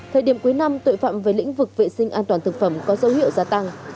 thời điểm cuối năm tội phạm về lĩnh vực vệ sinh an toàn thực phẩm có dấu hiệu gia tăng